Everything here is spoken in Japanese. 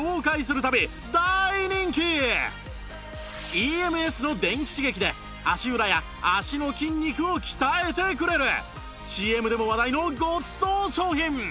ＥＭＳ の電気刺激で足裏や足の筋肉を鍛えてくれる ＣＭ でも話題のごちそう商品